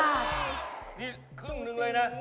นี่ครึ่งหนึ่งเลยนะ